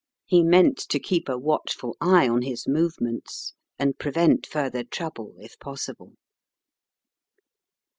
He meant to keep a watchful eye on his movements and prevent further trouble if possible.